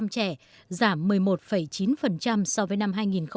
ba trăm năm mươi bảy bảy trăm linh trẻ giảm một mươi một chín so với năm hai nghìn một mươi sáu